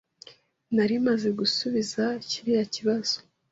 Nari maze gusubiza kiriya kibazo.